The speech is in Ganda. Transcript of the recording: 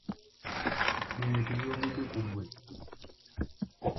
Ebyo tebabyogedde ku ggwe.